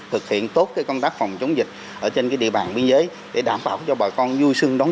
thực hiện tốt công tác phòng chống dịch ở trên địa bàn biên giới để đảm bảo cho bà con vui sưng đón